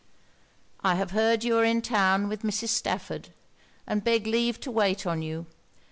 'I have heard you are in town with Mrs. Stafford, and beg leave to wait on you.